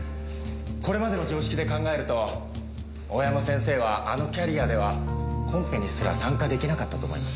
これまでの常識で考えると大山先生はあのキャリアではコンペにすら参加出来なかったと思います。